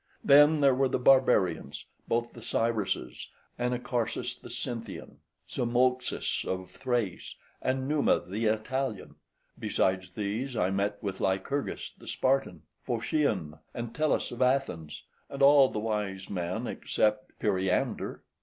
Then there were of the barbarians both the Cyruses, Anacharsis the Scythian, Zamolxis of Thrace, {123a} and Numa the Italian; {123b} besides these I met with Lycurgus the Spartan, Phocion and Tellus of Athens, and all the wise men except Periander.